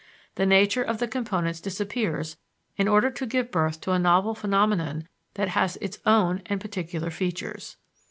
The nature of the components disappears in order to give birth to a novel phenomenon that has its own and particular features.